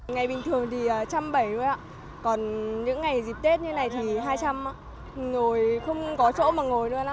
những ngày dịp tết như này thì hai trăm linh ngồi không có chỗ mà ngồi luôn ạ